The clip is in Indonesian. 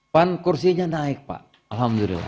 pankursinya naik pak alhamdulillah